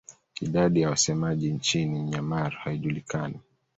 Idadi ya wasemaji nchini Myanmar haijulikani.